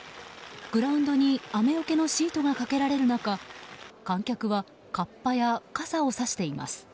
グラウンドに雨よけのシートがかけられる中観客はかっぱや傘をさしています。